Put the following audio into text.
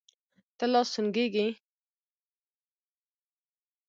ته لا سونګه ږې.